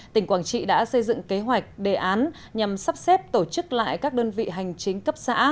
tỉnh quảng trị đã xây dựng kế hoạch đề án nhằm sắp xếp tổ chức lại các đơn vị hành chính cấp xã